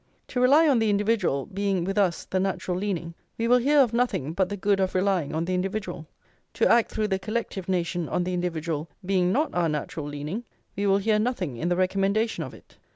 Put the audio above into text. To rely on the individual being, with us, the natural leaning, we will hear of nothing but the good of relying on the individual; to act through the collective nation on the individual being not our natural leaning, we will hear nothing in recommendation of it.